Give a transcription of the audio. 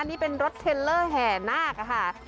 นี่เป็นรถเทลเลอร์แห่นาคค่ะ